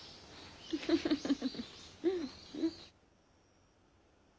フフフフ。